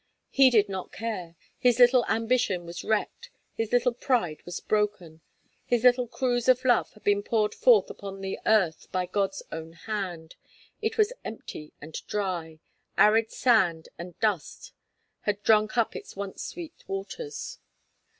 He did not care. His little ambition was wrecked; his little pride was broken; his little cruise of love had been poured forth upon the earth by God's own hand; it was empty and dry; arid sand and dust had drunk up its once sweet waters.